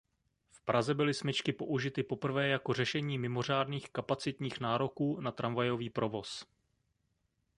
V Praze byly smyčky použity poprvé jako řešení mimořádných kapacitních nároků na tramvajový provoz.